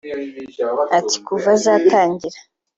Ati "Kuva zatangira